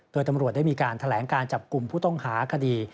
โดยตำรวจได้มีการแถลงการจับกลุ่มผู้ต้องหาคดี